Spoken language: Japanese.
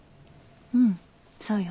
うんそうよ。